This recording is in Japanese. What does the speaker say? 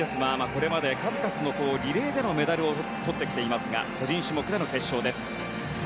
これまで数々のリレーでのメダルをとってきていますが個人種目での決勝です。